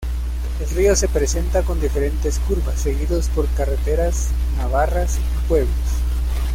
El río se presenta con diferentes curvas, seguido por carreteras navarras y pueblos.